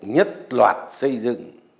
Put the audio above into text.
nhất loạt xây dựng